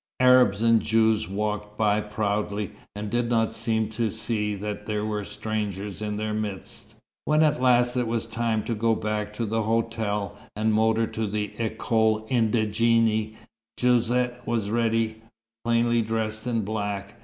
Arabs and Jews walked by proudly, and did not seem to see that there were strangers in their midst. When at last it was time to go back to the hotel, and motor to the École Indigène, Josette was ready, plainly dressed in black.